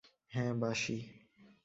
হ্যাঁ, বাসি।